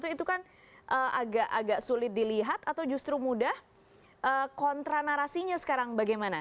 itu kan agak agak sulit dilihat atau justru mudah kontra narasinya sekarang bagaimana